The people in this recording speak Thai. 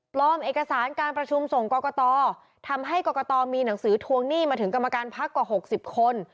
เอกสารการประชุมส่งกรกตทำให้กรกตมีหนังสือทวงหนี้มาถึงกรรมการพักกว่า๖๐คน